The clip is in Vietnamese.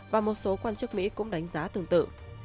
và một số quan chức mỹ cũng đánh giá tương tự